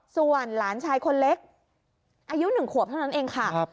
ส่วนหลานชายคนเล็กอายุ๑ขวบเท่านั้นเองค่ะ